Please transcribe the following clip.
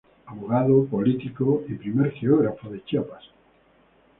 Abogado, político y primer geógrafo de Chiapas.